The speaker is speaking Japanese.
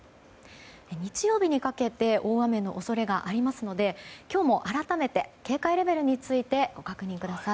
日曜日にかけて大雨の恐れがありますので今日も改めて警戒レベルについてご確認ください。